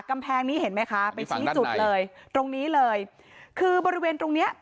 กำแพงนี้เห็นไหมคะไปชี้จุดเลยตรงนี้เลยคือบริเวณตรงเนี้ย